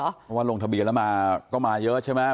เพราะว่าลงทะเบียนแล้วมาก็มาเยอะใช่ไหม